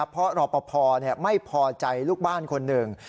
เพราะรอปภไม่พอใจลูกบ้านคนหนึ่ง